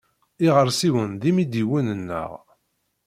Iɣersiwen d imidiwen-nneɣ.